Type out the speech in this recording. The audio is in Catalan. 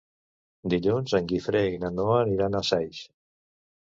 Dilluns en Guifré i na Noa aniran a Saix.